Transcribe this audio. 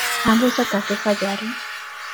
Ambos ataques fallaron.